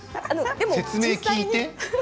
説明を聞いて。